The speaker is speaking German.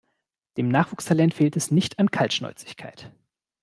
Dem Nachwuchstalent fehlt es nicht an Kaltschnäuzigkeit.